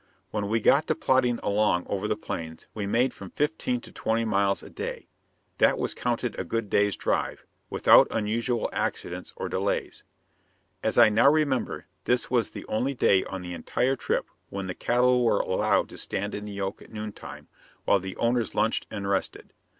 When we got to plodding along over the Plains, we made from fifteen to twenty miles a day. That was counted a good day's drive, without unusual accidents or delays. As I now remember, this was the only day on the entire trip when the cattle were allowed to stand in the yoke at noontime, while the owners lunched and rested.